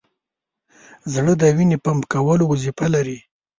زړه د وینې پمپ کولو وظیفه لري.